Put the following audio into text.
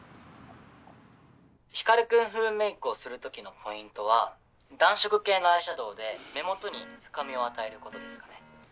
光君風メイクをする時のポイントは暖色系のアイシャドーで目元に深みを与えることですかね。